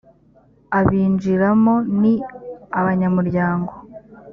abinjiramo ni abanyamuryango